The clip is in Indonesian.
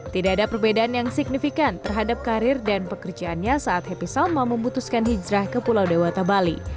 tidak ada perbedaan yang signifikan terhadap karir dan pekerjaannya saat happy salma memutuskan hijrah ke pulau dewata bali